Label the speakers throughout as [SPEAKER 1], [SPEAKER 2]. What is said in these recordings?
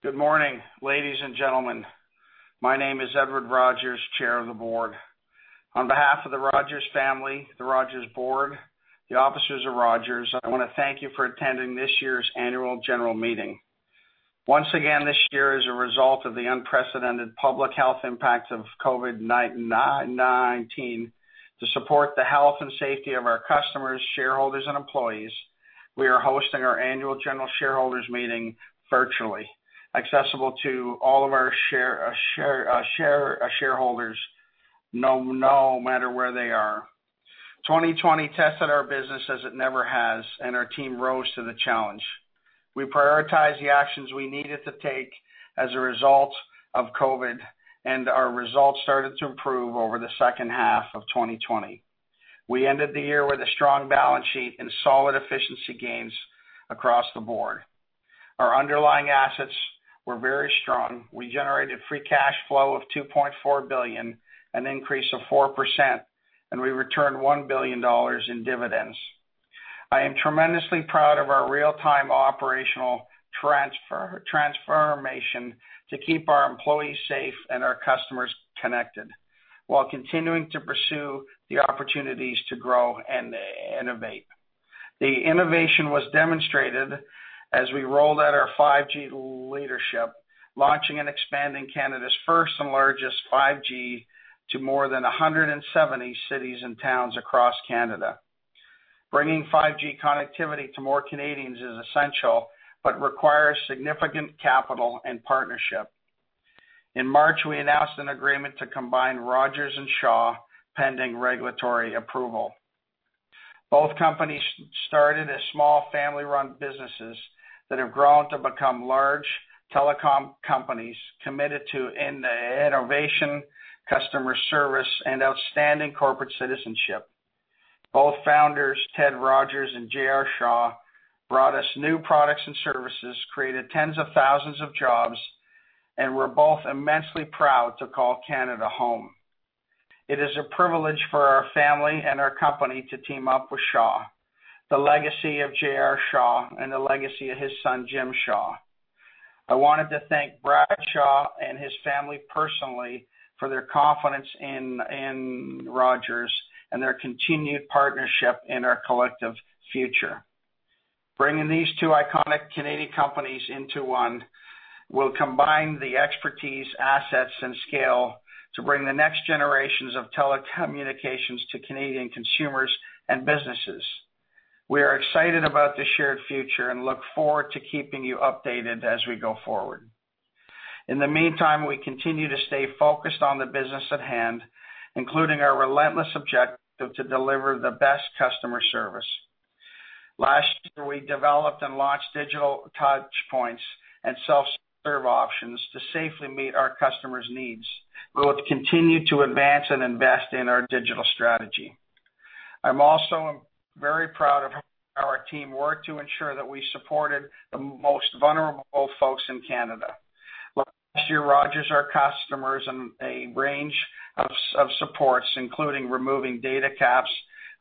[SPEAKER 1] Good morning, ladies and gentlemen. My name is Edward Rogers, Chair of the Board. On behalf of the Rogers Family, the Rogers Board, and the Officers of Rogers, I want to thank you for attending this year's annual general meeting. Once again, this year is a result of the unprecedented public health impact of COVID-19. To support the health and safety of our customers, shareholders, and employees, we are hosting our annual general shareholders meeting virtually, accessible to all of our shareholders no matter where they are. 2020 tested our business as it never has, and our team rose to the challenge. We prioritized the actions we needed to take as a result of COVID, and our results started to improve over the second half of 2020. We ended the year with a strong balance sheet and solid efficiency gains across the board. Our underlying assets were very strong. We generated free cash flow of 2.4 billion, an increase of 4%, and we returned 1 billion dollars in dividends. I am tremendously proud of our real-time operational transformation to keep our employees safe and our customers connected, while continuing to pursue the opportunities to grow and innovate. The innovation was demonstrated as we rolled out our 5G leadership, launching and expanding Canada's first and largest 5G to more than 170 cities and towns across Canada. Bringing 5G connectivity to more Canadians is essential but requires significant capital and partnership. In March, we announced an agreement to combine Rogers and Shaw, pending regulatory approval. Both companies started as small family-run businesses that have grown to become large telecom companies committed to innovation, customer service, and outstanding corporate citizenship. Both founders, Ted Rogers and J.R. Shaw, brought us new products and services, created tens of thousands of jobs, and we're both immensely proud to call Canada home. It is a privilege for our family and our company to team up with Shaw, the legacy of J.R. Shaw, and the legacy of his son, Jim Shaw. I wanted to thank Brad Shaw and his family personally for their confidence in Rogers and their continued partnership in our collective future. Bringing these two iconic Canadian companies into one will combine the expertise, assets, and scale to bring the next generations of telecommunications to Canadian consumers and businesses. We are excited about the shared future and look forward to keeping you updated as we go forward. In the meantime, we continue to stay focused on the business at hand, including our relentless objective to deliver the best customer service. Last year, we developed and launched digital touchpoints and self-serve options to safely meet our customers' needs. We will continue to advance and invest in our digital strategy. I'm also very proud of how our team worked to ensure that we supported the most vulnerable folks in Canada. Last year, Rogers offered our customers a range of supports, including removing data caps,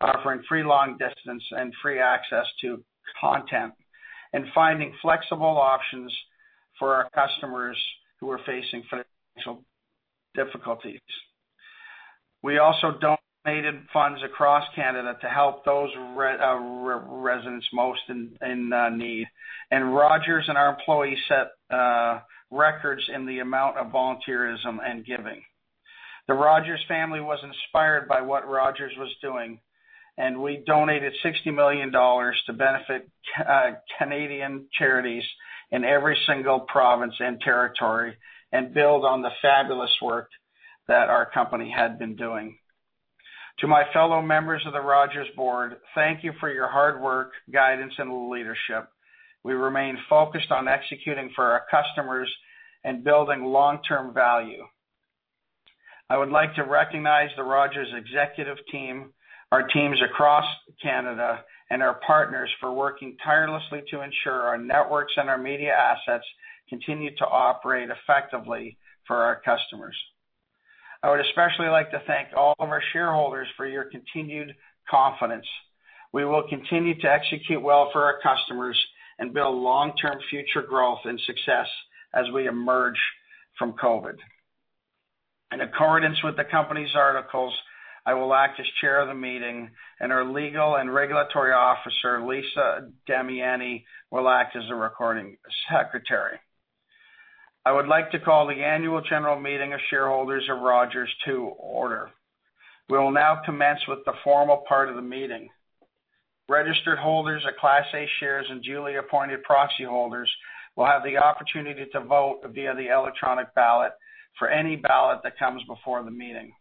[SPEAKER 1] offering free long-distance and free access to content, and finding flexible options for our customers who are facing financial difficulties. We also donated funds across Canada to help those residents most in need, and Rogers and our employees set records in the amount of volunteerism and giving. The Rogers Family was inspired by what Rogers was doing, and we donated 60 million dollars to benefit Canadian charities in every single province and territory and build on the fabulous work that our company had been doing. To my fellow members of the Rogers Board, thank you for your hard work, guidance, and leadership. We remain focused on executing for our customers and building long-term value. I would like to recognize the Rogers Executive Team, our teams across Canada, and our partners for working tirelessly to ensure our networks and our media assets continue to operate effectively for our customers. I would especially like to thank all of our shareholders for your continued confidence. We will continue to execute well for our customers and build long-term future growth and success as we emerge from COVID. In accordance with the company's articles, I will act as Chair of the Meeting, and our Legal and Regulatory Officer, Lisa Damiani, will act as the Recording Secretary. I would like to call the annual general meeting of shareholders of Rogers to order. We will now commence with the formal part of the meeting. Registered holders of Class A shares and duly appointed proxy holders will have the opportunity to vote via the electronic ballot for any ballot that comes before the meeting.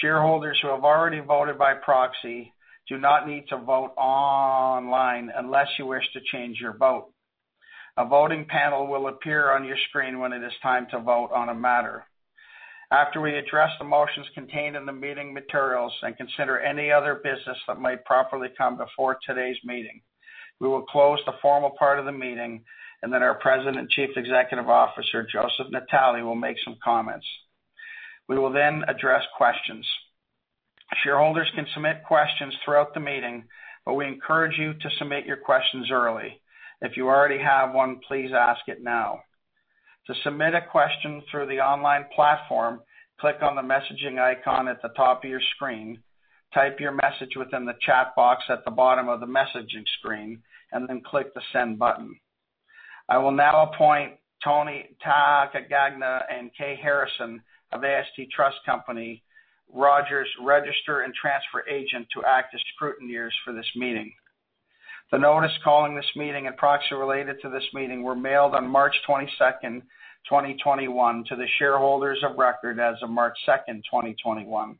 [SPEAKER 1] Shareholders who have already voted by proxy do not need to vote online unless you wish to change your vote. A voting panel will appear on your screen when it is time to vote on a matter. After we address the motions contained in the meeting materials and consider any other business that might properly come before today's meeting, we will close the formal part of the meeting, and then our President and Chief Executive Officer, Joe Natale, will make some comments. We will then address questions. Shareholders can submit questions throughout the meeting, but we encourage you to submit your questions early. If you already have one, please ask it now. To submit a question through the online platform, click on the messaging icon at the top of your screen, type your message within the chat box at the bottom of the messaging screen, and then click the Send button. I will now appoint Tony [Tagagna] and Kate Harrison of AST Trust Company, Rogers' Registrar and Transfer Agent, to act as scrutineers for this meeting. The notice calling this meeting and proxy related to this meeting were mailed on March 22nd, 2021, to the shareholders of record as of March 2nd, 2021.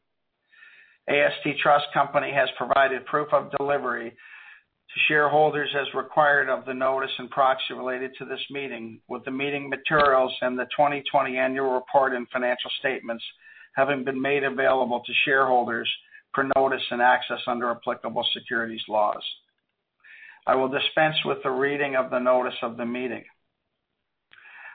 [SPEAKER 1] AST Trust Company has provided proof of delivery to shareholders as required of the notice and proxy related to this meeting, with the meeting materials and the 2020 annual report and financial statements having been made available to shareholders per notice and access under applicable securities laws. I will dispense with the reading of the notice of the meeting.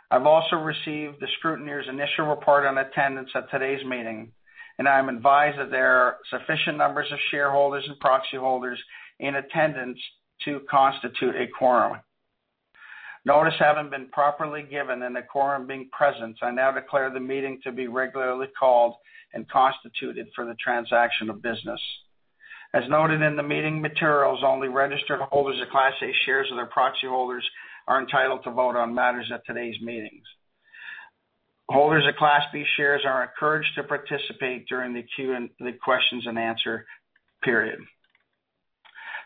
[SPEAKER 1] I've also received the scrutineers' initial report on attendance at today's meeting, and I'm advised that there are sufficient numbers of shareholders and proxy holders in attendance to constitute a quorum. Notice having been properly given and the quorum being present, I now declare the meeting to be regularly called and constituted for the transaction of business. As noted in the meeting materials, only registered holders of Class A shares or their proxy holders are entitled to vote on matters at today's meetings. Holders of Class B shares are encouraged to participate during the questions and answer period.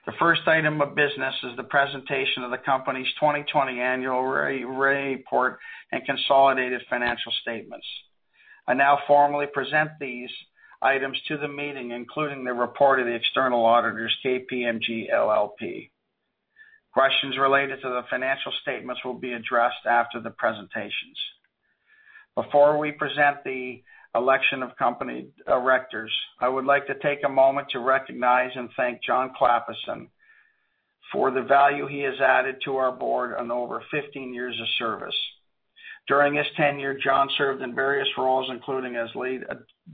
[SPEAKER 1] The first item of business is the presentation of the company's 2020 annual report and consolidated financial statements. I now formally present these items to the meeting, including the report of the external auditors, KPMG LLP. Questions related to the financial statements will be addressed after the presentations. Before we present the election of company directors, I would like to take a moment to recognize and thank John Clappison for the value he has added to our board in over 15 years of service. During his tenure, John served in various roles, including as lead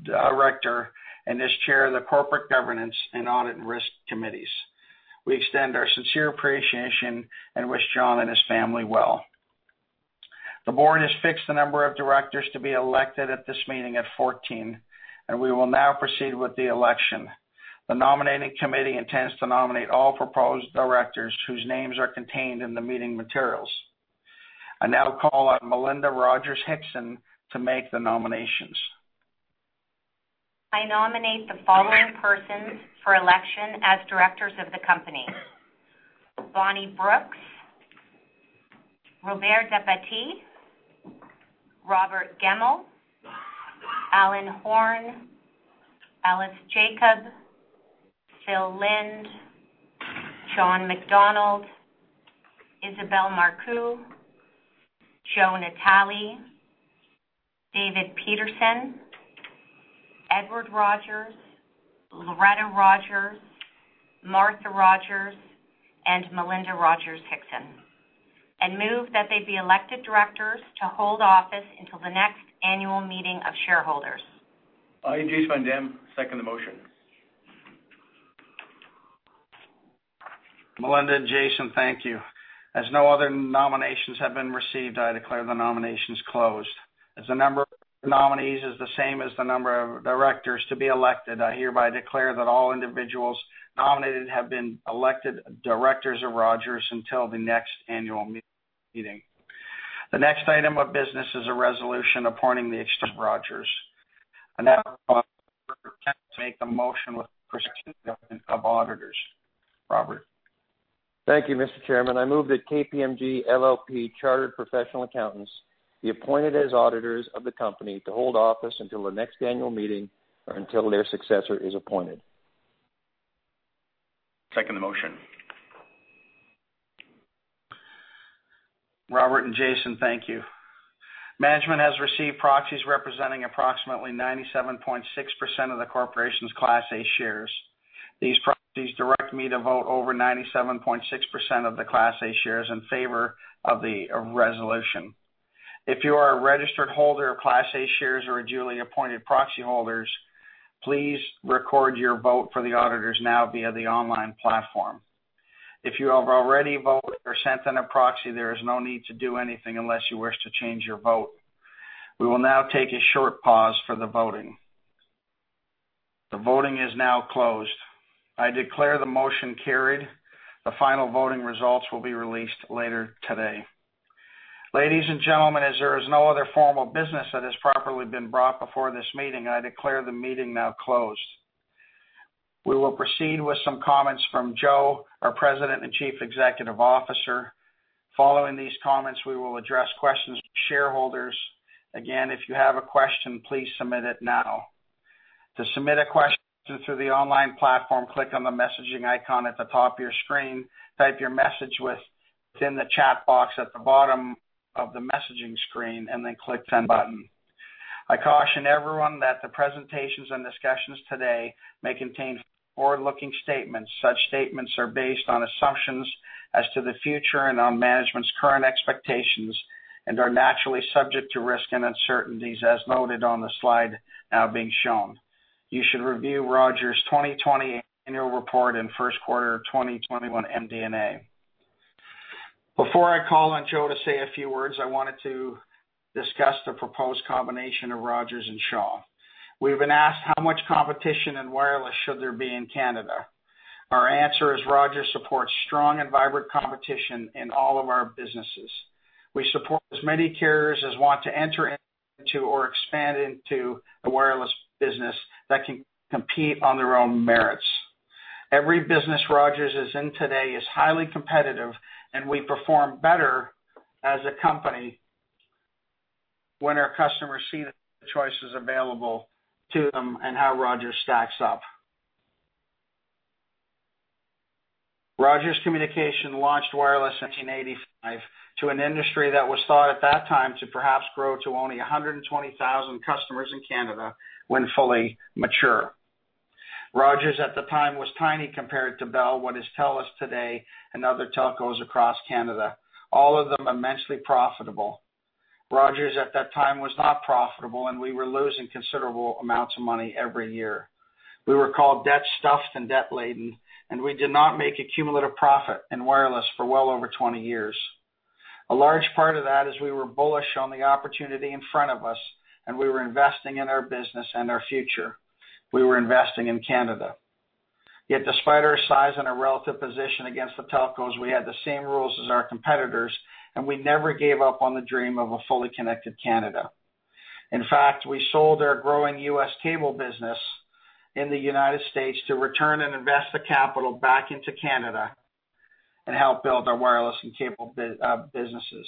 [SPEAKER 1] director and as chair of the Corporate Governance and Audit and Risk Committees. We extend our sincere appreciation and wish John and his family well. The board has fixed the number of directors to be elected at this meeting at 14, and we will now proceed with the election. The nominating committee intends to nominate all proposed directors whose names are contained in the meeting materials. I now call on Melinda Rogers-Hixon to make the nominations.
[SPEAKER 2] I nominate the following persons for election as directors of the company: Bonnie Brooks, Robert Dépatie, Robert Gemmell, Alan Horn, Ellis Jacob, Phil Lind, John MacDonald, Isabelle Marcoux, Joe Natale, David Peterson, Edward Rogers, Loretta Rogers, Martha Rogers, and Melinda Rogers-Hixon, and move that they be elected directors to hold office until the next annual meeting of shareholders. Second the motion.
[SPEAKER 1] Melinda and Jason, thank you. As no other nominations have been received, I declare the nominations closed. As the number of nominees is the same as the number of directors to be elected, I hereby declare that all individuals nominated have been elected directors of Rogers until the next annual meeting. The next item of business is a resolution appointing the auditors for Rogers. I now call for a motion. Robert, make the motion for the appointment of auditors. Thank you, Mr. Chairman. I move that KPMG LLP Chartered Professional Accountants be appointed as auditors of the company to hold office until the next annual meeting or until their successor is appointed. Second the motion. Robert and Jason, thank you. Management has received proxies representing approximately 97.6% of the corporation's Class A Shares. These proxies direct me to vote over 97.6% of the Class A Shares in favor of the resolution. If you are a registered holder of Class A Shares or a duly appointed proxy holders, please record your vote for the auditors now via the online platform. If you have already voted or sent in a proxy, there is no need to do anything unless you wish to change your vote. We will now take a short pause for the voting. The voting is now closed. I declare the motion carried. The final voting results will be released later today. Ladies and gentlemen, as there is no other form of business that has properly been brought before this meeting, I declare the meeting now closed. We will proceed with some comments from Joe, our President and Chief Executive Officer. Following these comments, we will address questions of shareholders. Again, if you have a question, please submit it now. To submit a question through the online platform, click on the messaging icon at the top of your screen, type your message within the chat box at the bottom of the messaging screen, and then click the Send button. I caution everyone that the presentations and discussions today may contain forward-looking statements. Such statements are based on assumptions as to the future and on management's current expectations and are naturally subject to risk and uncertainties, as noted on the slide now being shown. You should review Rogers' 2020 annual report and first quarter 2021 MD&A. Before I call on Joe to say a few words, I wanted to discuss the proposed combination of Rogers and Shaw. We've been asked how much competition and wireless should there be in Canada. Our answer is Rogers supports strong and vibrant competition in all of our businesses. We support as many carriers as want to enter into or expand into the wireless business that can compete on their own merits. Every business Rogers is in today is highly competitive, and we perform better as a company when our customers see the choices available to them and how Rogers stacks up. Rogers Communications launched wireless in 1985 to an industry that was thought at that time to perhaps grow to only 120,000 customers in Canada when fully mature. Rogers at the time was tiny compared to Bell, as they tell us today, and other telcos across Canada, all of them immensely profitable. Rogers at that time was not profitable, and we were losing considerable amounts of money every year. We were called debt-stuffed and debt-laden, and we did not make a cumulative profit in wireless for well over 20 years. A large part of that is we were bullish on the opportunity in front of us, and we were investing in our business and our future. We were investing in Canada. Yet, despite our size and our relative position against the telcos, we had the same rules as our competitors, and we never gave up on the dream of a fully connected Canada. In fact, we sold our growing U.S. cable business in the United States to return and invest the capital back into Canada and help build our wireless and cable businesses.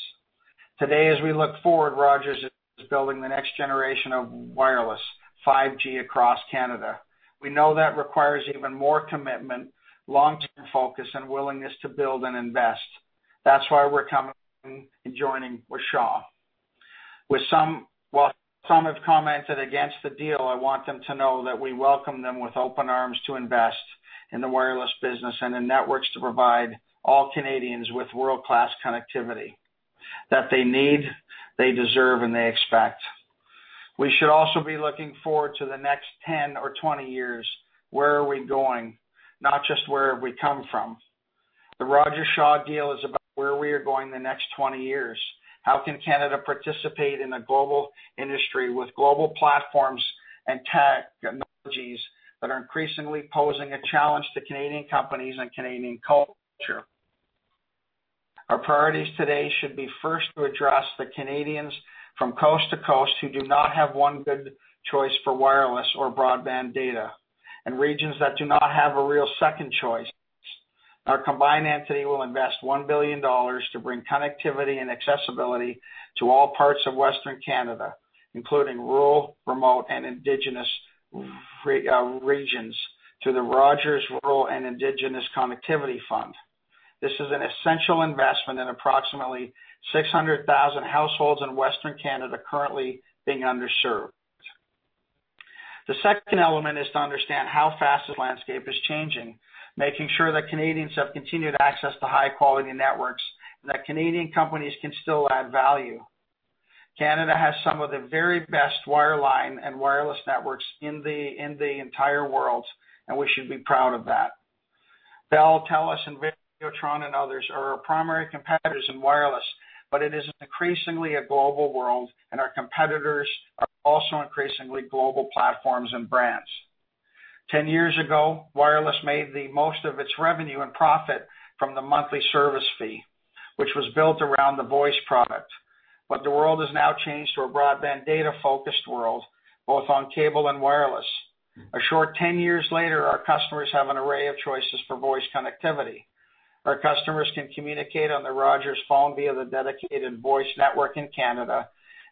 [SPEAKER 1] Today, as we look forward, Rogers is building the next generation of wireless 5G across Canada. We know that requires even more commitment, long-term focus, and willingness to build and invest. That's why we're coming and joining with Shaw. While some have commented against the deal, I want them to know that we welcome them with open arms to invest in the wireless business and in networks to provide all Canadians with world-class connectivity that they need, they deserve, and they expect. We should also be looking forward to the next 10 or 20 years. Where are we going? Not just where have we come from. The Rogers Shaw deal is about where we are going the next 20 years. How can Canada participate in a global industry with global platforms and technologies that are increasingly posing a challenge to Canadian companies and Canadian culture? Our priorities today should be first to address the Canadians from coast to coast who do not have one good choice for wireless or broadband data. In regions that do not have a real second choice, our combined entity will invest 1 billion dollars to bring connectivity and accessibility to all parts of Western Canada, including rural, remote, and Indigenous regions through the Rogers Rural and Indigenous Connectivity Fund. This is an essential investment in approximately 600,000 households in Western Canada currently being underserved. The second element is to understand how fast the landscape is changing, making sure that Canadians have continued access to high-quality networks and that Canadian companies can still add value. Canada has some of the very best wireline and wireless networks in the entire world, and we should be proud of that. Bell, Telus, and Vidéotron and others are our primary competitors in wireless, but it is increasingly a global world, and our competitors are also increasingly global platforms and brands. 10 years ago, wireless made the most of its revenue and profit from the monthly service fee, which was built around the voice product. But the world has now changed to a broadband data-focused world, both on cable and wireless. A short 10 years later, our customers have an array of choices for voice connectivity. Our customers can communicate on the Rogers phone via the dedicated voice network in Canada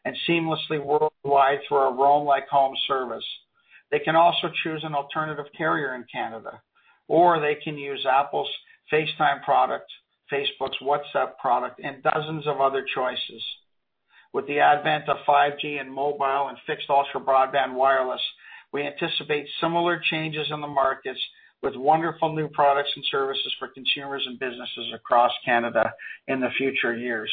[SPEAKER 1] and seamlessly worldwide through our Roam Like Home service. They can also choose an alternative carrier in Canada, or they can use Apple's FaceTime product, Facebook's WhatsApp product, and dozens of other choices. With the advent of 5G and mobile and fixed ultra-broadband wireless, we anticipate similar changes in the markets with wonderful new products and services for consumers and businesses across Canada in the future years.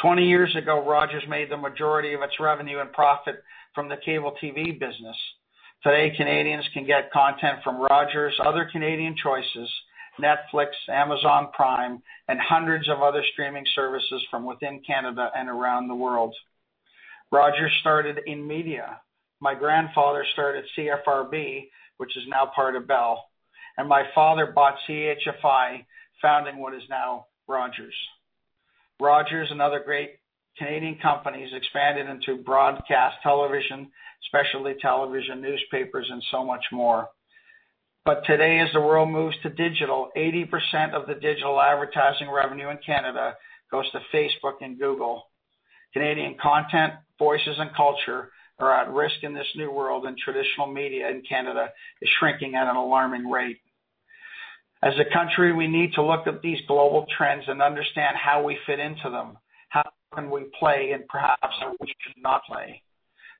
[SPEAKER 1] Twenty years ago, Rogers made the majority of its revenue and profit from the cable TV business. Today, Canadians can get content from Rogers, other Canadian choices, Netflix, Amazon Prime, and hundreds of other streaming services from within Canada and around the world. Rogers started in media. My grandfather started CFRB, which is now part of Bell, and my father bought CHFI, founding what is now Rogers. Rogers and other great Canadian companies expanded into broadcast television, specialty television, newspapers, and so much more. But today, as the world moves to digital, 80% of the digital advertising revenue in Canada goes to Facebook and Google. Canadian content, voices, and culture are at risk in this new world, and traditional media in Canada is shrinking at an alarming rate. As a country, we need to look at these global trends and understand how we fit into them, how can we play, and perhaps how we should not play.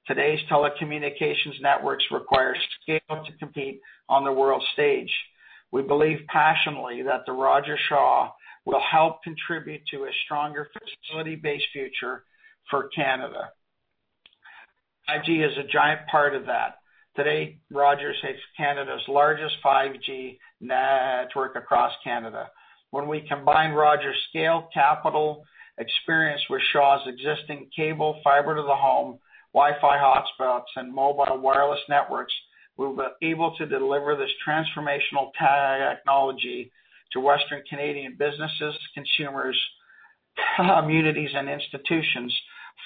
[SPEAKER 1] Today's telecommunications networks require scale to compete on the world stage. We believe passionately that the Rogers-Shaw will help contribute to a stronger facility-based future for Canada. 5G is a giant part of that. Today, Rogers has Canada's largest 5G network across Canada. When we combine Rogers' scale, capital, experience with Shaw's existing cable, fiber to the home, Wi-Fi hotspots, and mobile wireless networks, we'll be able to deliver this transformational technology to Western Canadian businesses, consumers, communities, and institutions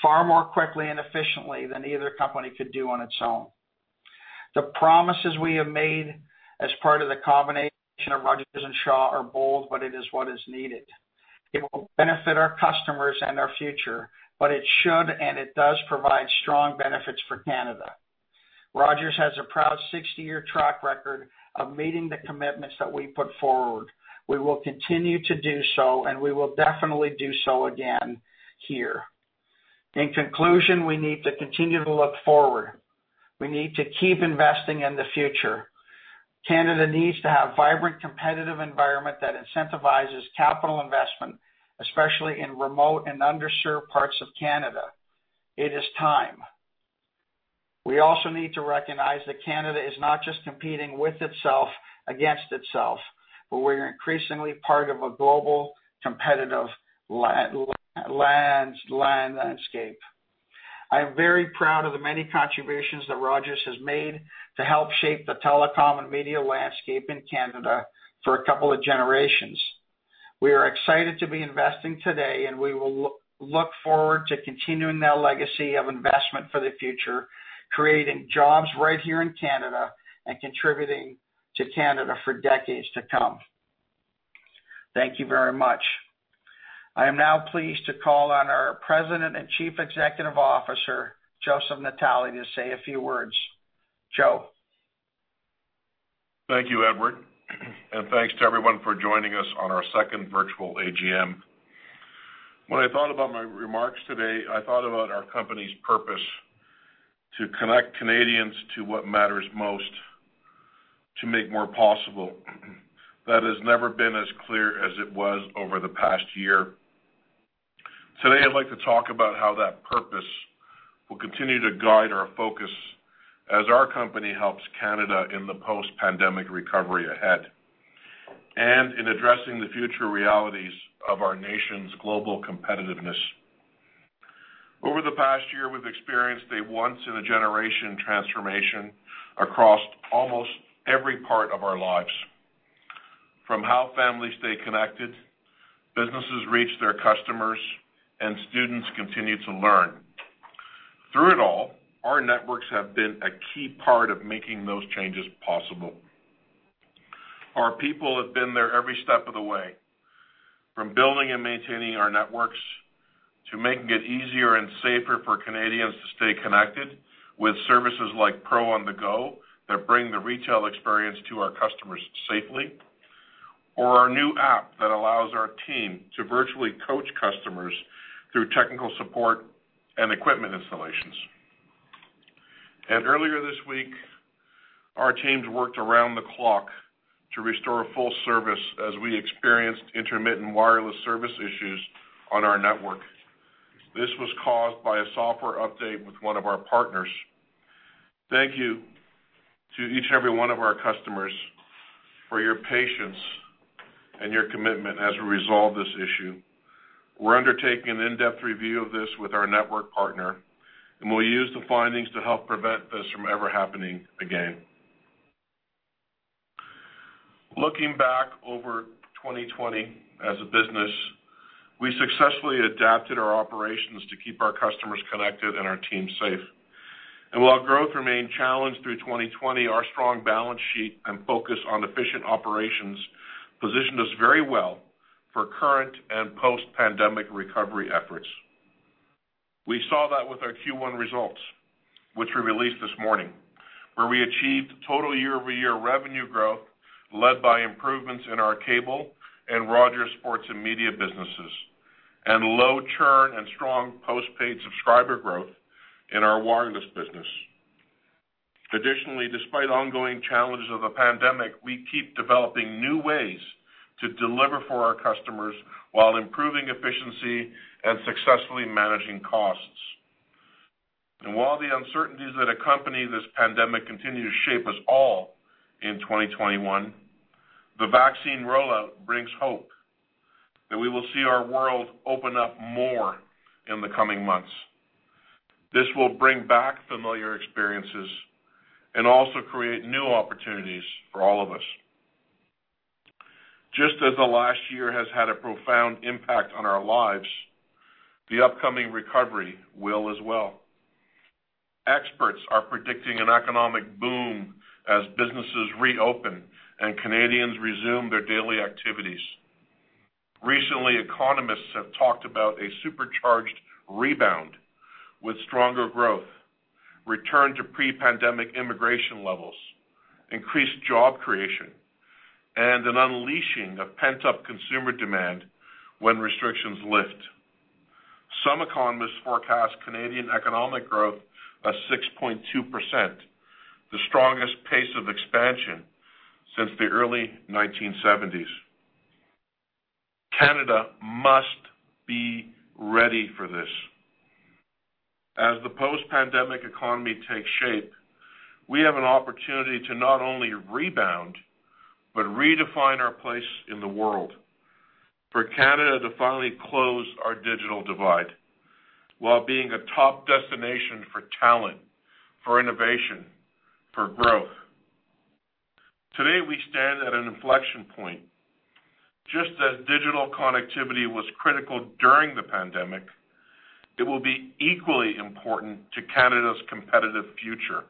[SPEAKER 1] far more quickly and efficiently than either company could do on its own. The promises we have made as part of the combination of Rogers and Shaw are bold, but it is what is needed. It will benefit our customers and our future, but it should and it does provide strong benefits for Canada. Rogers has a proud 60-year track record of meeting the commitments that we put forward. We will continue to do so, and we will definitely do so again here. In conclusion, we need to continue to look forward. We need to keep investing in the future. Canada needs to have a vibrant competitive environment that incentivizes capital investment, especially in remote and underserved parts of Canada. It is time. We also need to recognize that Canada is not just competing with itself against itself, but we're increasingly part of a global competitive landscape. I am very proud of the many contributions that Rogers has made to help shape the telecom and media landscape in Canada for a couple of generations. We are excited to be investing today, and we will look forward to continuing that legacy of investment for the future, creating jobs right here in Canada, and contributing to Canada for decades to come. Thank you very much. I am now pleased to call on our President and Chief Executive Officer, Joseph Natale, to say a few words. Joe.
[SPEAKER 3] Thank you, Edward, and thanks to everyone for joining us on our second virtual AGM. When I thought about my remarks today, I thought about our company's purpose to connect Canadians to what matters most, to make more possible. That has never been as clear as it was over the past year. Today, I'd like to talk about how that purpose will continue to guide our focus as our company helps Canada in the post-pandemic recovery ahead and in addressing the future realities of our nation's global competitiveness. Over the past year, we've experienced a once-in-a-generation transformation across almost every part of our lives, from how families stay connected, businesses reach their customers, and students continue to learn. Through it all, our networks have been a key part of making those changes possible. Our people have been there every step of the way, from building and maintaining our networks to making it easier and safer for Canadians to stay connected with services like Pro On-the-Go that bring the retail experience to our customers safely, or our new app that allows our team to virtually coach customers through technical support and equipment installations, and earlier this week, our teams worked around the clock to restore full service as we experienced intermittent wireless service issues on our network. This was caused by a software update with one of our partners. Thank you to each and every one of our customers for your patience and your commitment as we resolve this issue. We're undertaking an in-depth review of this with our network partner, and we'll use the findings to help prevent this from ever happening again. Looking back over 2020 as a business, we successfully adapted our operations to keep our customers connected and our team safe, and while growth remained challenged through 2020, our strong balance sheet and focus on efficient operations positioned us very well for current and post-pandemic recovery efforts. We saw that with our Q1 results, which we released this morning, where we achieved total year-over-year revenue growth led by improvements in our cable and Rogers Sports and Media businesses, and low churn and strong postpaid subscriber growth in our wireless business. Additionally, despite ongoing challenges of the pandemic, we keep developing new ways to deliver for our customers while improving efficiency and successfully managing costs, and while the uncertainties that accompany this pandemic continue to shape us all in 2021, the vaccine rollout brings hope that we will see our world open up more in the coming months. This will bring back familiar experiences and also create new opportunities for all of us. Just as the last year has had a profound impact on our lives, the upcoming recovery will as well. Experts are predicting an economic boom as businesses reopen and Canadians resume their daily activities. Recently, economists have talked about a supercharged rebound with stronger growth, return to pre-pandemic immigration levels, increased job creation, and an unleashing of pent-up consumer demand when restrictions lift. Some economists forecast Canadian economic growth as 6.2%, the strongest pace of expansion since the early 1970s. Canada must be ready for this. As the post-pandemic economy takes shape, we have an opportunity to not only rebound but redefine our place in the world, for Canada to finally close our digital divide while being a top destination for talent, for innovation, for growth. Today, we stand at an inflection point. Just as digital connectivity was critical during the pandemic, it will be equally important to Canada's competitive future.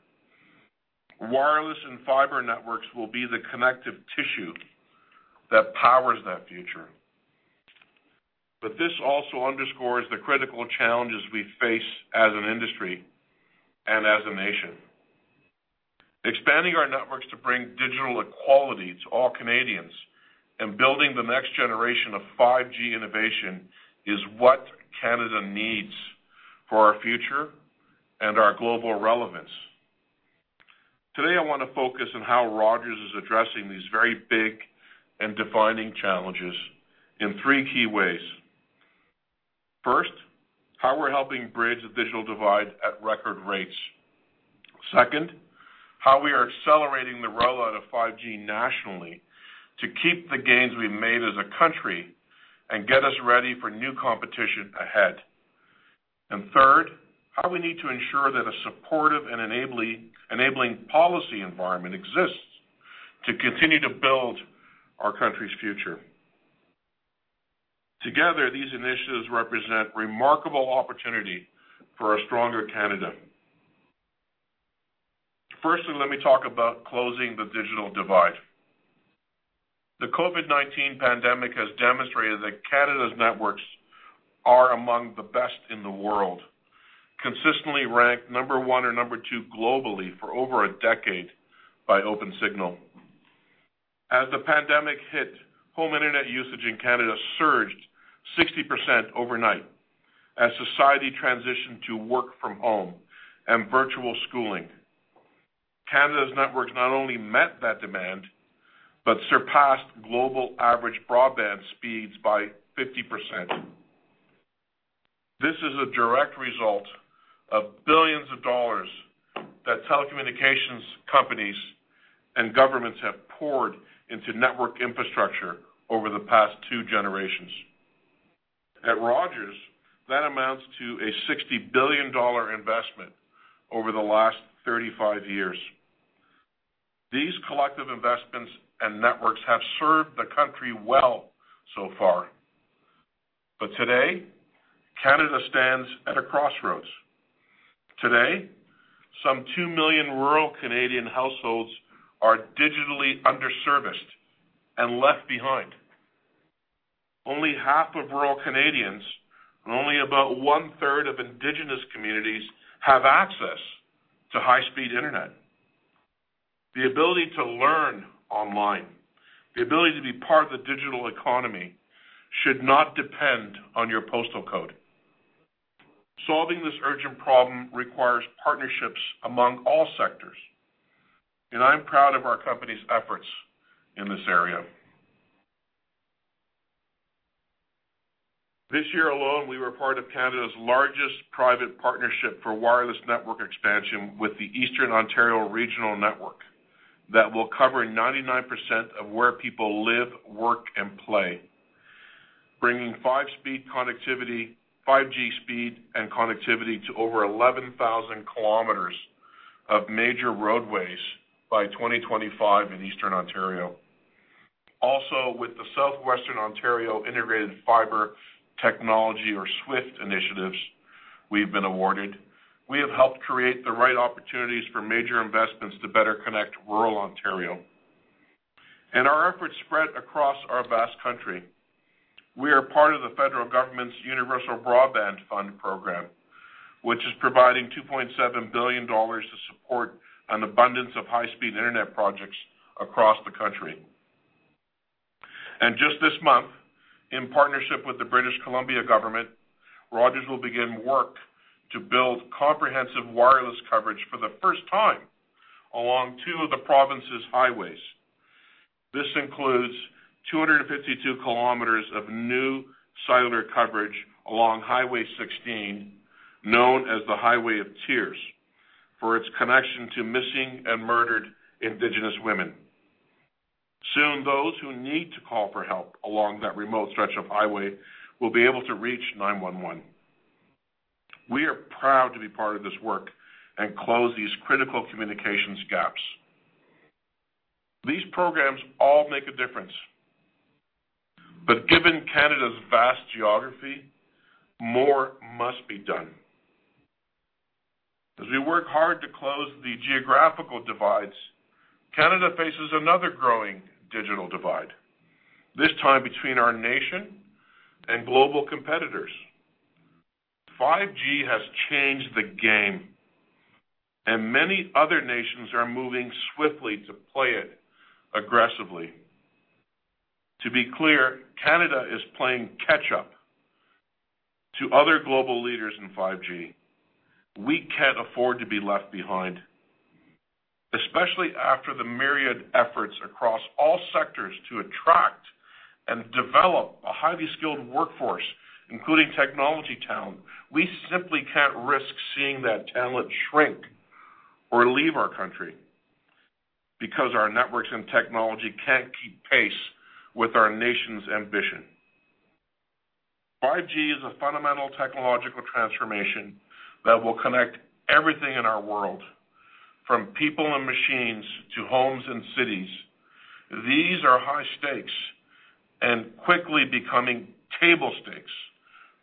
[SPEAKER 3] Wireless and fiber networks will be the connective tissue that powers that future. But this also underscores the critical challenges we face as an industry and as a nation. Expanding our networks to bring digital equality to all Canadians and building the next generation of 5G innovation is what Canada needs for our future and our global relevance. Today, I want to focus on how Rogers is addressing these very big and defining challenges in three key ways. First, how we're helping bridge the digital divide at record rates. Second, how we are accelerating the rollout of 5G nationally to keep the gains we've made as a country and get us ready for new competition ahead. And third, how we need to ensure that a supportive and enabling policy environment exists to continue to build our country's future. Together, these initiatives represent remarkable opportunity for a stronger Canada. Firstly, let me talk about closing the digital divide. The COVID-19 pandemic has demonstrated that Canada's networks are among the best in the world, consistently ranked number one or number two globally for over a decade by OpenSignal. As the pandemic hit, home internet usage in Canada surged 60% overnight as society transitioned to work from home and virtual schooling. Canada's networks not only met that demand but surpassed global average broadband speeds by 50%. This is a direct result of billions of dollars that telecommunications companies and governments have poured into network infrastructure over the past two generations. At Rogers, that amounts to 60 billion dollar investment over the last 35 years. These collective investments and networks have served the country well so far. But today, Canada stands at a crossroads. Today, some two million rural Canadian households are digitally underserviced and left behind. Only half of rural Canadians and only about one-third of Indigenous communities have access to high-speed internet. The ability to learn online, the ability to be part of the digital economy should not depend on your postal code. Solving this urgent problem requires partnerships among all sectors, and I'm proud of our company's efforts in this area. This year alone, we were part of Canada's largest private partnership for wireless network expansion with the Eastern Ontario Regional Network that will cover 99% of where people live, work, and play, bringing 5G speed and connectivity to over 11,000 km of major roadways by 2025 in Eastern Ontario. Also, with the Southwestern Ontario Integrated Fiber Technology, or SWIFT initiatives we've been awarded, we have helped create the right opportunities for major investments to better connect rural Ontario, and our efforts spread across our vast country. We are part of the federal government's Universal Broadband Fund program, which is providing 2.7 billion dollars to support an abundance of high-speed internet projects across the country, and just this month, in partnership with the British Columbia government, Rogers will begin work to build comprehensive wireless coverage for the first time along two of the province's highways. This includes 252 km of new cellular coverage along Highway 16, known as the Highway of Tears, for its connection to missing and murdered Indigenous women. Soon, those who need to call for help along that remote stretch of highway will be able to reach 911. We are proud to be part of this work and close these critical communications gaps. These programs all make a difference. But given Canada's vast geography, more must be done. As we work hard to close the geographical divides, Canada faces another growing digital divide, this time between our nation and global competitors. 5G has changed the game, and many other nations are moving swiftly to play it aggressively. To be clear, Canada is playing catch-up to other global leaders in 5G. We can't afford to be left behind, especially after the myriad efforts across all sectors to attract and develop a highly skilled workforce, including technology talent. We simply can't risk seeing that talent shrink or leave our country because our networks and technology can't keep pace with our nation's ambition. 5G is a fundamental technological transformation that will connect everything in our world, from people and machines to homes and cities. These are high stakes and quickly becoming table stakes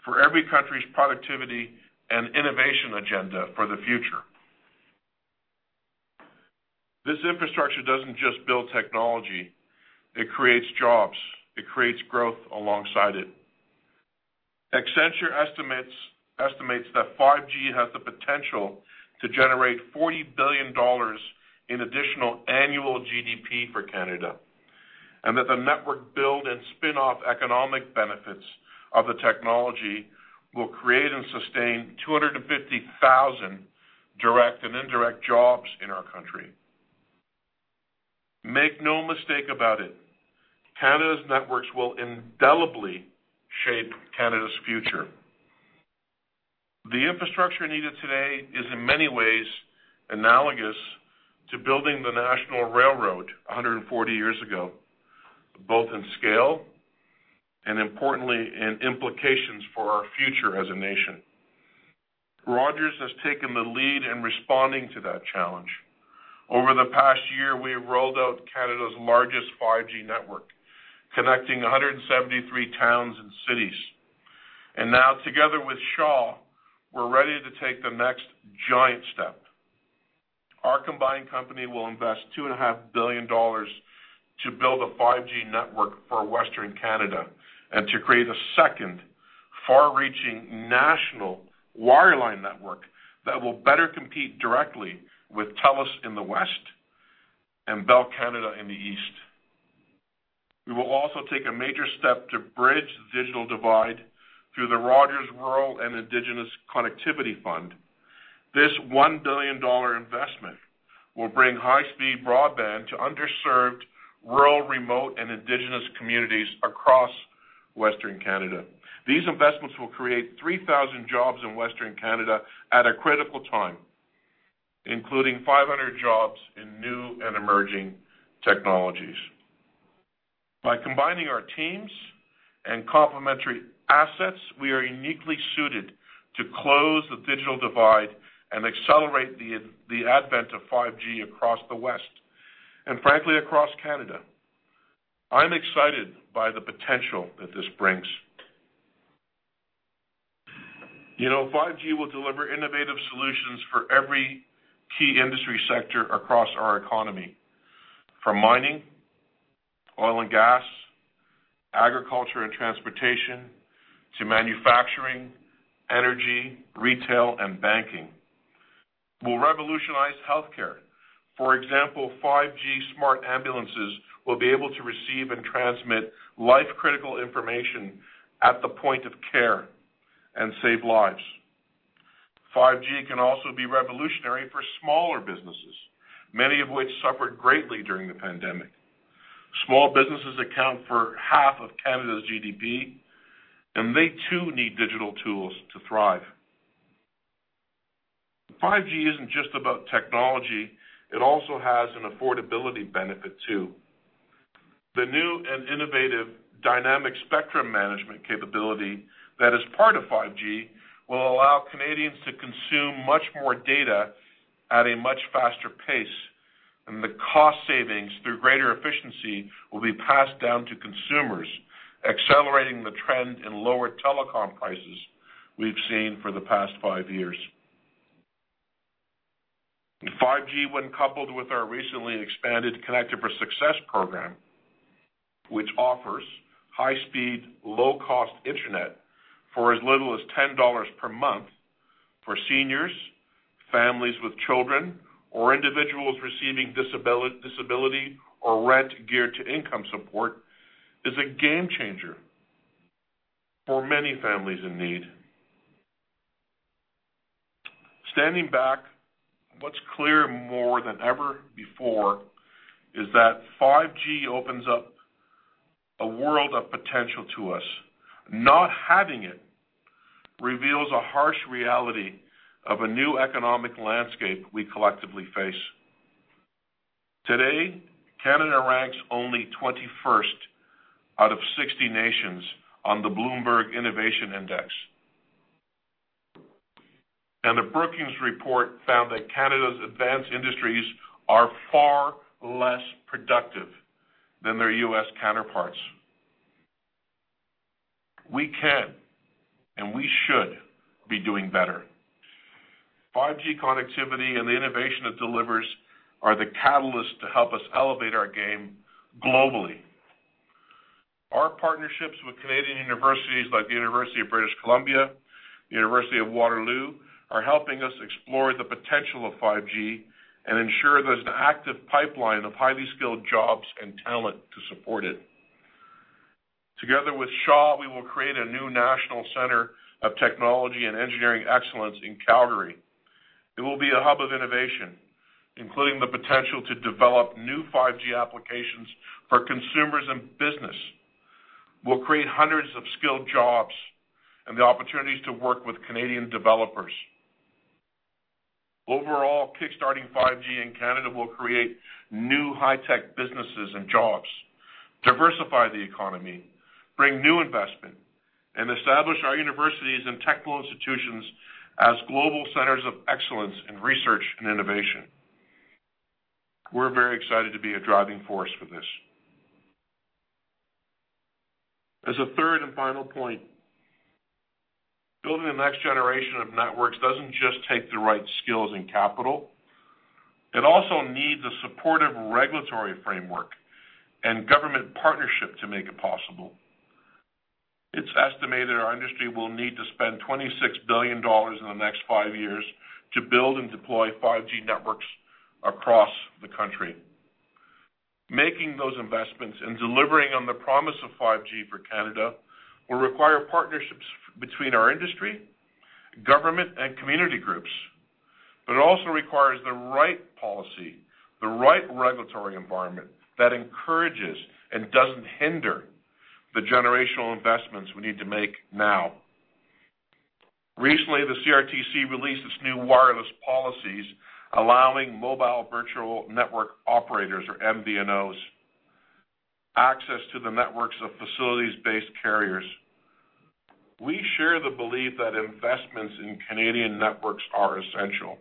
[SPEAKER 3] for every country's productivity and innovation agenda for the future. This infrastructure doesn't just build technology. It creates jobs. It creates growth alongside it. Accenture estimates that 5G has the potential to generate 40 billion dollars in additional annual GDP for Canada and that the network build and spin-off economic benefits of the technology will create and sustain 250,000 direct and indirect jobs in our country. Make no mistake about it, Canada's networks will indelibly shape Canada's future. The infrastructure needed today is, in many ways, analogous to building the National Railroad 140 years ago, both in scale and, importantly, in implications for our future as a nation. Rogers has taken the lead in responding to that challenge. Over the past year, we have rolled out Canada's largest 5G network, connecting 173 towns and cities. And now, together with Shaw, we're ready to take the next giant step. Our combined company will invest 2.5 billion dollars to build a 5G network for Western Canada and to create a second, far-reaching national wireline network that will better compete directly with Telus in the West and Bell Canada in the East. We will also take a major step to bridge the digital divide through the Rogers Rural and Indigenous Connectivity Fund. This 1 billion dollar investment will bring high-speed broadband to underserved rural, remote, and indigenous communities across Western Canada. These investments will create 3,000 jobs in Western Canada at a critical time, including 500 jobs in new and emerging technologies. By combining our teams and complementary assets, we are uniquely suited to close the digital divide and accelerate the advent of 5G across the West and, frankly, across Canada. I'm excited by the potential that this brings. 5G will deliver innovative solutions for every key industry sector across our economy, from mining, oil and gas, agriculture and transportation, to manufacturing, energy, retail, and banking. We'll revolutionize healthcare. For example, 5G smart ambulances will be able to receive and transmit life-critical information at the point of care and save lives. 5G can also be revolutionary for smaller businesses, many of which suffered greatly during the pandemic. Small businesses account for half of Canada's GDP, and they, too, need digital tools to thrive. 5G isn't just about technology. It also has an affordability benefit too. The new and innovative dynamic spectrum management capability that is part of 5G will allow Canadians to consume much more data at a much faster pace, and the cost savings through greater efficiency will be passed down to consumers, accelerating the trend in lower telecom prices we've seen for the past five years. 5G, when coupled with our recently expanded Connect for Success program, which offers high-speed, low-cost internet for as little as 10 dollars per month for seniors, families with children, or individuals receiving disability or rent geared to income support, is a game changer for many families in need. Standing back, what's clearer more than ever before is that 5G opens up a world of potential to us. Not having it reveals a harsh reality of a new economic landscape we collectively face. Today, Canada ranks only 21st out of 60 nations on the Bloomberg Innovation Index. And the Brookings report found that Canada's advanced industries are far less productive than their U.S. counterparts. We can, and we should, be doing better. 5G connectivity and the innovation it delivers are the catalyst to help us elevate our game globally. Our partnerships with Canadian universities like the University of British Columbia, the University of Waterloo, are helping us explore the potential of 5G and ensure there's an active pipeline of highly skilled jobs and talent to support it. Together with Shaw, we will create a new national center of technology and engineering excellence in Calgary. It will be a hub of innovation, including the potential to develop new 5G applications for consumers and business. We'll create hundreds of skilled jobs and the opportunities to work with Canadian developers. Overall, kickstarting 5G in Canada will create new high-tech businesses and jobs, diversify the economy, bring new investment, and establish our universities and technical institutions as global centers of excellence in research and innovation. We're very excited to be a driving force for this. As a third and final point, building the next generation of networks doesn't just take the right skills and capital. It also needs a supportive regulatory framework and government partnership to make it possible. It's estimated our industry will need to spend 26 billion dollars in the next five years to build and deploy 5G networks across the country. Making those investments and delivering on the promise of 5G for Canada will require partnerships between our industry, government, and community groups, but it also requires the right policy, the right regulatory environment that encourages and doesn't hinder the generational investments we need to make now. Recently, the CRTC released its new wireless policies allowing mobile virtual network operators, or MVNOs, access to the networks of facilities-based carriers. We share the belief that investments in Canadian networks are essential.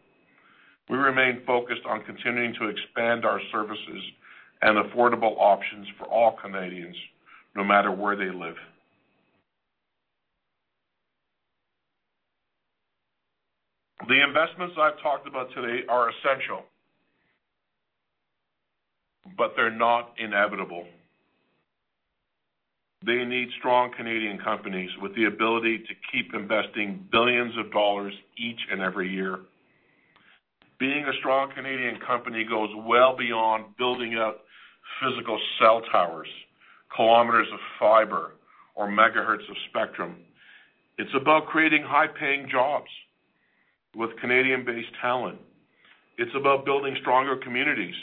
[SPEAKER 3] We remain focused on continuing to expand our services and affordable options for all Canadians, no matter where they live. The investments I've talked about today are essential, but they're not inevitable. They need strong Canadian companies with the ability to keep investing billions of dollars each and every year. Being a strong Canadian company goes well beyond building up physical cell towers, kilometers of fiber, or megahertz of spectrum. It's about creating high-paying jobs with Canadian-based talent. It's about building stronger communities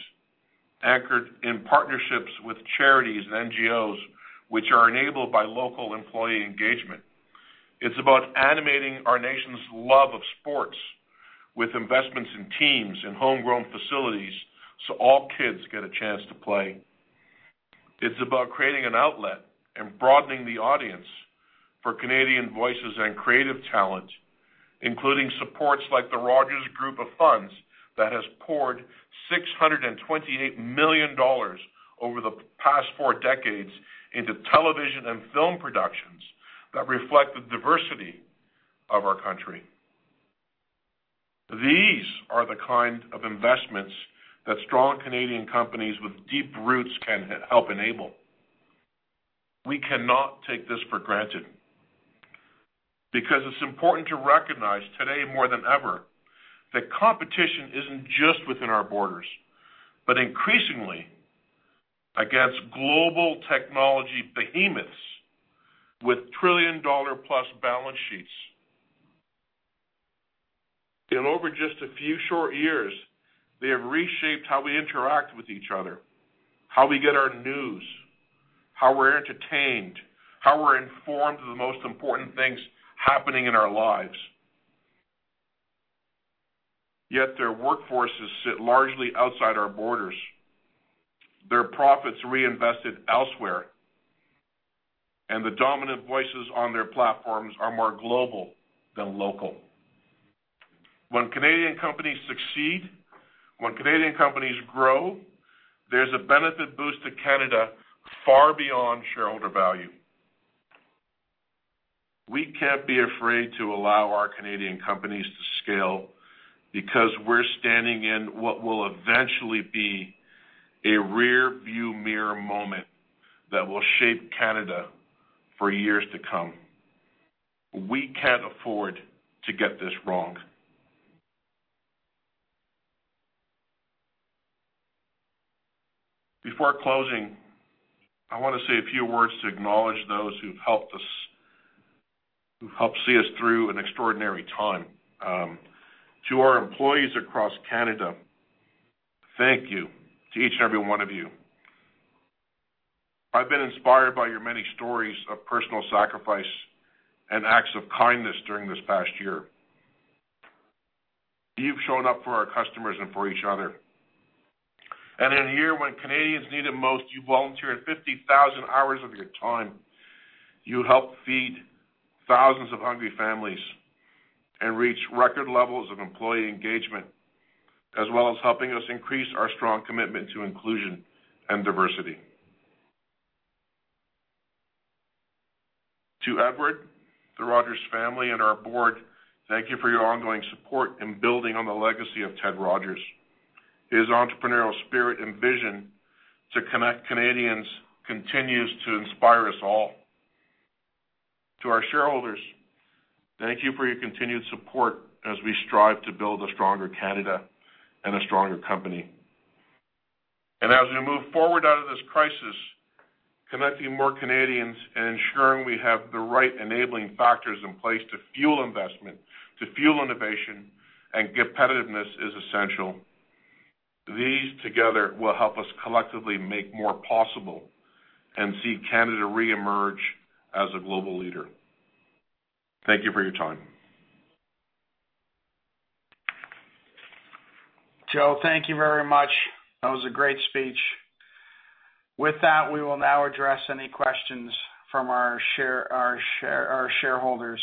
[SPEAKER 3] anchored in partnerships with charities and NGOs, which are enabled by local employee engagement. It's about animating our nation's love of sports with investments in teams and homegrown facilities so all kids get a chance to play. It's about creating an outlet and broadening the audience for Canadian voices and creative talent, including supports like the Rogers Group of Funds that has poured 628 million dollars over the past four decades into television and film productions that reflect the diversity of our country. These are the kind of investments that strong Canadian companies with deep roots can help enable. We cannot take this for granted because it's important to recognize today more than ever that competition isn't just within our borders, but increasingly against global technology behemoths with trillion-dollar-plus balance sheets. In just over a few short years, they have reshaped how we interact with each other, how we get our news, how we're entertained, how we're informed of the most important things happening in our lives. Yet their workforces sit largely outside our borders. Their profits are reinvested elsewhere, and the dominant voices on their platforms are more global than local. When Canadian companies succeed, when Canadian companies grow, there's a benefit boost to Canada far beyond shareholder value. We can't be afraid to allow our Canadian companies to scale because we're standing in what will eventually be a rearview mirror moment that will shape Canada for years to come. We can't afford to get this wrong. Before closing, I want to say a few words to acknowledge those who've helped us, who've helped see us through an extraordinary time. To our employees across Canada, thank you to each and every one of you. I've been inspired by your many stories of personal sacrifice and acts of kindness during this past year. You've shown up for our customers and for each other, and in a year when Canadians need it most, you volunteered 50,000 hours of your time. You helped feed thousands of hungry families and reach record levels of employee engagement, as well as helping us increase our strong commitment to inclusion and diversity. To Edward, the Rogers family, and our board, thank you for your ongoing support in building on the legacy of Ted Rogers. His entrepreneurial spirit and vision to connect Canadians continues to inspire us all. To our shareholders, thank you for your continued support as we strive to build a stronger Canada and a stronger company. As we move forward out of this crisis, connecting more Canadians and ensuring we have the right enabling factors in place to fuel investment, to fuel innovation, and competitiveness is essential. These together will help us collectively make more possible and see Canada reemerge as a global leader. Thank you for your time.
[SPEAKER 1] Joe, thank you very much. That was a great speech. With that, we will now address any questions from our shareholders.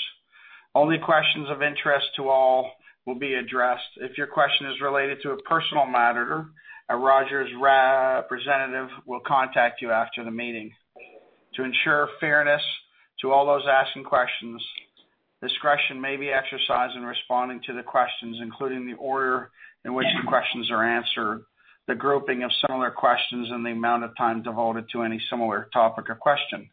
[SPEAKER 1] Only questions of interest to all will be addressed. If your question is related to a personal matter, a Rogers representative will contact you after the meeting. To ensure fairness to all those asking questions, discretion may be exercised in responding to the questions, including the order in which the questions are answered, the grouping of similar questions, and the amount of time devoted to any similar topic or question.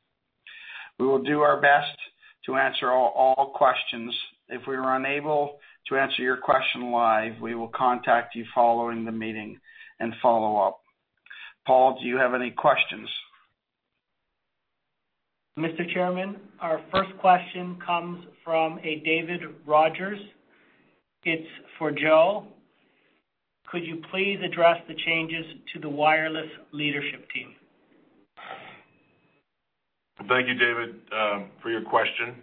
[SPEAKER 1] We will do our best to answer all questions. If we are unable to answer your question live, we will contact you following the meeting and follow up. Paul, do you have any questions? Mr. Chairman, our first question comes from a David Rogers. It's for Joe. Could you please address the changes to the wireless leadership team?
[SPEAKER 3] Thank you, David, for your question.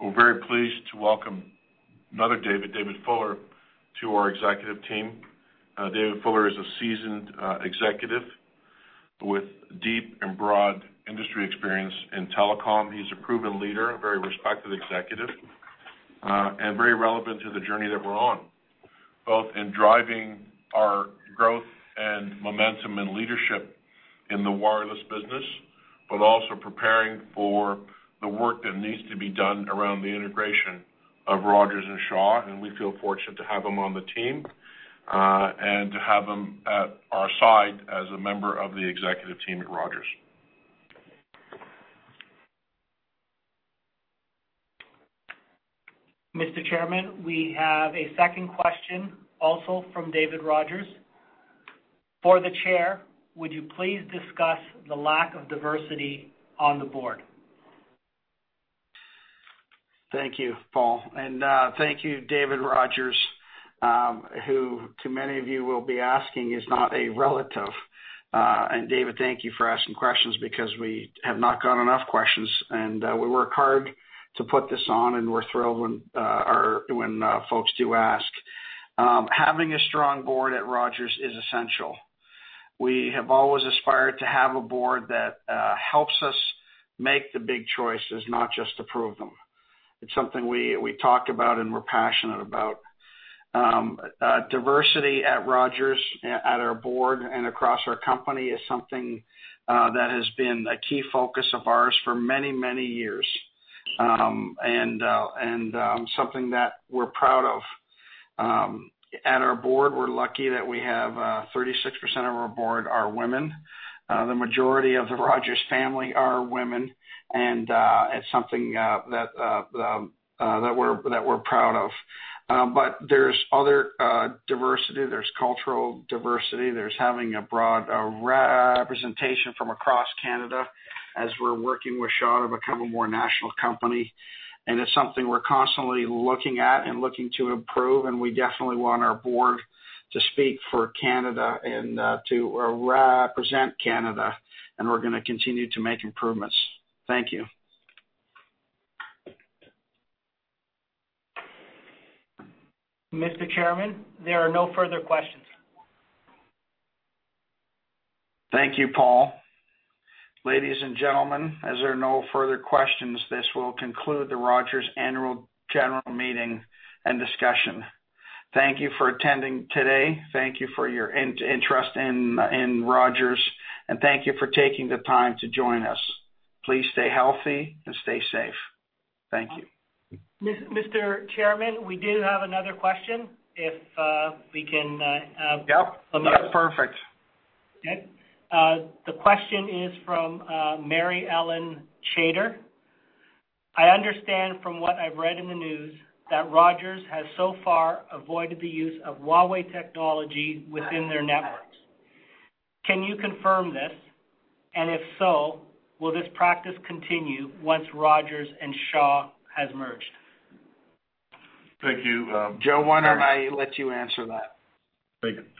[SPEAKER 3] We're very pleased to welcome another David, David Fuller, to our executive team. David Fuller is a seasoned executive with deep and broad industry experience in telecom. He's a proven leader, a very respected executive, and very relevant to the journey that we're on, both in driving our growth and momentum and leadership in the wireless business, but also preparing for the work that needs to be done around the integration of Rogers and Shaw. And we feel fortunate to have him on the team and to have him at our side as a member of the executive team at Rogers. Mr. Chairman, we have a second question also from David Rogers. For the chair, would you please discuss the lack of diversity on the board?
[SPEAKER 1] Thank you, Paul. And thank you, David Rogers, who, many of you will be asking, is not a relative. And David, thank you for asking questions because we have not gotten enough questions. And we work hard to put this on, and we're thrilled when folks do ask. Having a strong board at Rogers is essential. We have always aspired to have a board that helps us make the big choices, not just approve them. It's something we talk about and we're passionate about. Diversity at Rogers, at our board and across our company, is something that has been a key focus of ours for many, many years and something that we're proud of. At our board, we're lucky that we have 36% of our board are women. The majority of the Rogers family are women, and it's something that we're proud of. But there's other diversity. There's cultural diversity. There's having a broad representation from across Canada as we're working with Shaw to become a more national company. And it's something we're constantly looking at and looking to improve. And we definitely want our board to speak for Canada and to represent Canada. And we're going to continue to make improvements. Thank you. Mr. Chairman, there are no further questions. Thank you, Paul. Ladies and gentlemen, as there are no further questions, this will conclude the Rogers annual general meeting and discussion. Thank you for attending today. Thank you for your interest in Rogers. And thank you for taking the time to join us. Please stay healthy and stay safe. Thank you. Mr. Chairman, we do have another question if we can have a mic. Yep. That's perfect. Okay. The question is from Mary Ellen Chater. I understand from what I've read in the news that Rogers has so far avoided the use of Huawei technology within their networks. Can you confirm this? And if so, will this practice continue once Rogers and Shaw has merged? Thank you. Joe, why don't I let you answer that?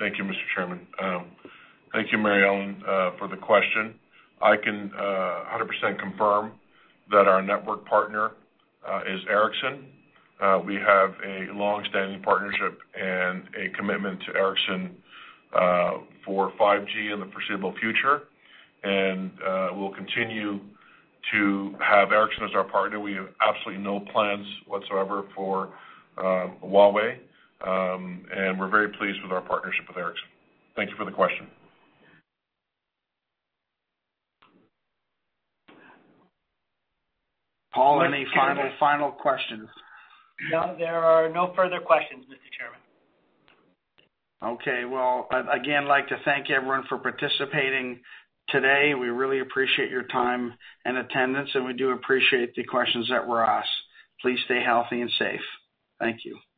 [SPEAKER 3] Thank you, Mr. Chairman. Thank you, Mary Ellen, for the question. I can 100% confirm that our network partner is Ericsson. We have a longstanding partnership and a commitment to Ericsson for 5G in the foreseeable future. And we'll continue to have Ericsson as our partner. We have absolutely no plans whatsoever for Huawei, and we're very pleased with our partnership with Ericsson. Thank you for the question.
[SPEAKER 1] Paul, any final questions? No. There are no further questions, Mr. Chairman. Okay. Well, again, I'd like to thank everyone for participating today. We really appreciate your time and attendance, and we do appreciate the questions that were asked. Please stay healthy and safe. Thank you.